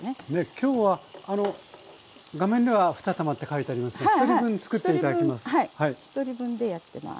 きょうは画面では２玉って書いてありますけど１人分作って頂きます。